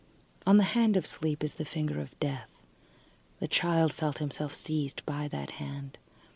On the hand of sleep is the finger of death. The child felt himself seized by that hand.